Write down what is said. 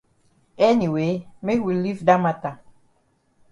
Anyway make we leave dat mata.